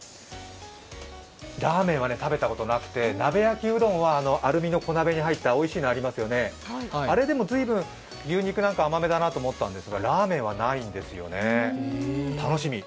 ラーメンは食べたことなくて鍋焼きうどんは、アルミの小鍋に入った、おいしいのありますよね、あれでもずいぶん牛肉なんか甘めだなと思ったんですけどラーメンはないんですよね。